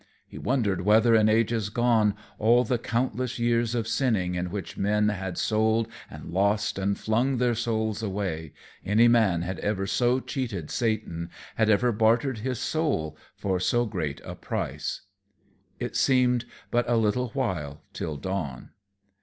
He wondered whether in ages gone, all the countless years of sinning in which men had sold and lost and flung their souls away, any man had ever so cheated Satan, had ever bartered his soul for so great a price. It seemed but a little while till dawn.